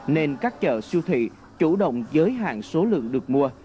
nên các chợ siêu thị chủ động giới hạn số lượng được mua